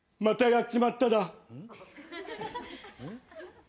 またやっちまっただ。